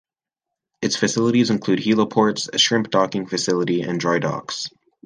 Its facilities include heliports, a shrimp docking facility, and dry docks.